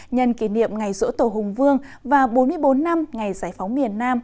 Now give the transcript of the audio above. nhân kỷ niệm ngày rỗ tổ hùng vương và bốn mươi bốn năm ngày giải phóng miền nam